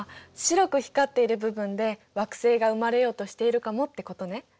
白く光っている部分で惑星が生まれようとしているかもってことね。